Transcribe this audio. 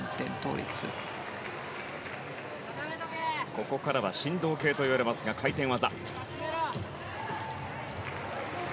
ここからは振動系といわれる回転技。